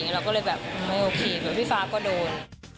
เราก็เลยแบบโอเคพี่ฟ้าก็โดน